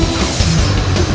aduh kayak gitu